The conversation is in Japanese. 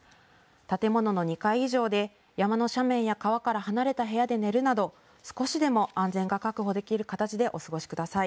建物の２階以上で山の斜面や川から離れた部屋で寝るなど少しでも安全が確保できる形でお過ごしください。